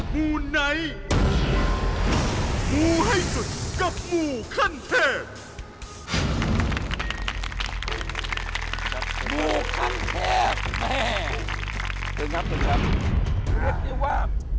ไม่เชื่ออย่ารับหมู